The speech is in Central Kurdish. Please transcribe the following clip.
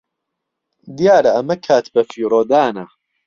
دیارە ئەمە کات بەفیڕۆدانە.